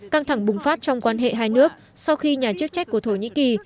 căng thẳng bùng phát trong quan hệ hai nước sau khi nhà chức trách của thổ nhĩ kỳ